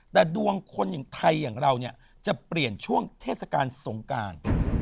แต่ดวงคนถ่ายอย่างเราจะเปลี่ยนช่วงเทศกาลสงงการ